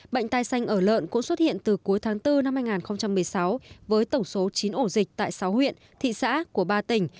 bệnh tai xanh ở lợn cũng xuất hiện từ cuối tháng bốn năm hai nghìn một mươi sáu với tổng số chín ổ dịch tại sáu huyện thị xã của ba tỉnh